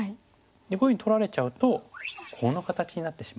こういうふうに取られちゃうとコウの形になってしまう。